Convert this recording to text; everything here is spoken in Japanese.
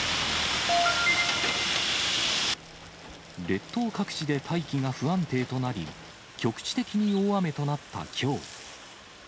列島各地で大気が不安定となり、局地的に大雨となったきょう。